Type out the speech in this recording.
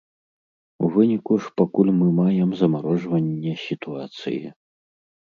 У выніку ж пакуль мы маем замарожванне сітуацыі.